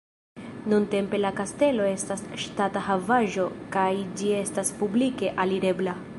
Nuntempe la kastelo estas ŝtata havaĵo kaj ĝi estas publike alirebla.